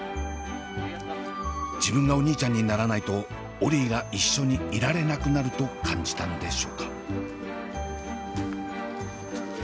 自分がお兄ちゃんにならないとオリィが一緒にいられなくなると感じたのでしょうか。